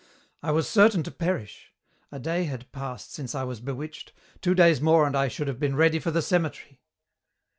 "I was certain to perish. A day had passed since I was bewitched. Two days more and I should have been ready for the cemetery."